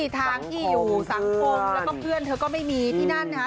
ทางที่อยู่สังคมแล้วก็เพื่อนเธอก็ไม่มีที่นั่นนะคะ